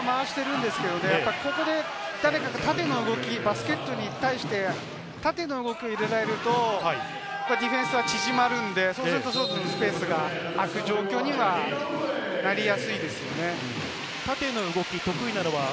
ボールは回しているんですけど、ここが誰か縦の動き、バスケットに対して縦の動きに出られるとディフェンスは縮まるんで、そうするとスペースが空く状況にはなりやすいですよね。